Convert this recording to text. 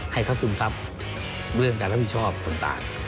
ให้เขาซึมทรัพย์เรื่องการความผิดชอบต่าง